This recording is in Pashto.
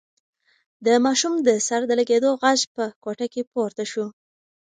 د ماشوم د سر د لگېدو غږ په کوټه کې پورته شو.